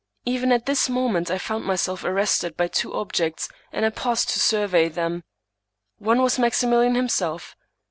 Even at this moment I found myself arrested by two objects, and I paused to survey them. One was Maximilian himself.